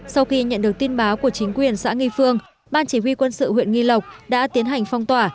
sau khi nhận được tin báo của chính quyền xã nghi phương ban chỉ huy quân sự huyện nghi lộc đã tiến hành phong tỏa